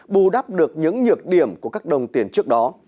bù đắp được những nhược điểm của các đồng tiền trước đó